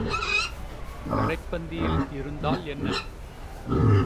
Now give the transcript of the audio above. கடைப்பந்தியில் இருந்தால் என்ன?